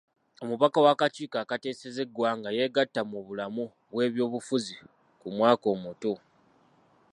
Omubaka w'akakiiko akateeseza eggwanga yegatta mu bulamu bw'ebyobufuzi ku mwaka omuto.